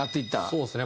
そうですね。